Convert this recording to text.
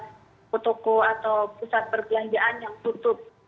toko toko atau pusat perbelanjaan yang tutup